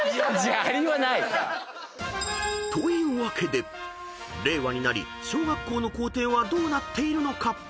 ［というわけで令和になり小学校の校庭はどうなっているのか］